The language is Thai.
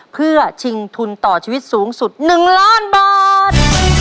เพื่อชิงทุนต่อชีวิตสูงสุด๑ล้านบาท